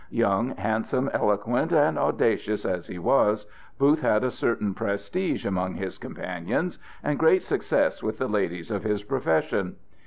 Young, handsome, eloquent, and audacious as he was, Booth had a certain prestige among his companions and great success with the ladies of his profession.